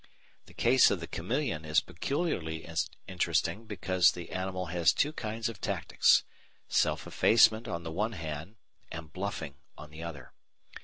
The case of the chameleon is peculiarly interesting because the animal has two kinds of tactics self effacement on the one hand and bluffing on the other.